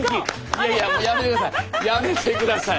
いやいややめて下さい。